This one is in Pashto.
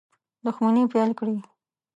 دښمني پیل کړي.